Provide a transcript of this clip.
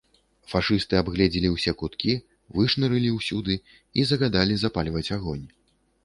Фашысты абгледзелі ўсе куткі, вышнырылі ўсюды і загадалі запальваць агонь.